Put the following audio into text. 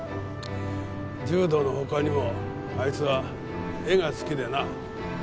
柔道の他にもあいつは絵が好きでな。